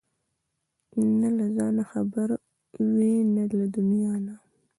نه له ځانه خبر وي نه له دنيا نه!